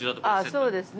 ◆そうですね。